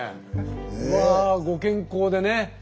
うわご健康でね。